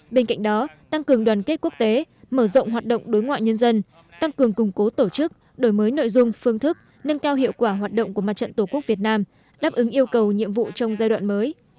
bên cạnh đó tăng cường đoàn kết quốc tế mở rộng hoạt động đối ngoại nhân dân tăng cường củng cố tổ chức đổi mới nội dung phương thức nâng cao hiệu quả hoạt động của mặt trận tổ quốc việt nam đáp ứng yêu cầu nhiệm vụ trong giai đoạn mới